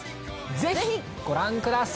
ぜひご覧ください！